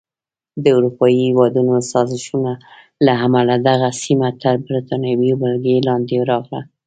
د اروپایي هېوادونو سازشونو له امله دغه سیمه تر بریتانوي ولکې لاندې راغله.